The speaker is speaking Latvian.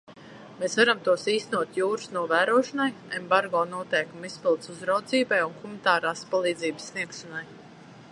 Mēs varam tos īstenot jūras novērošanai, embargo noteikumu izpildes uzraudzībai un humanitārās palīdzības sniegšanai.